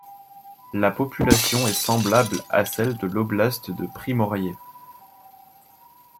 La population est semblable à celle de l'Oblast de Primorié.